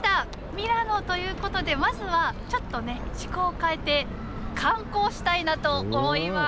ミラノということでまずはちょっとね趣向を変えて観光したいなと思います。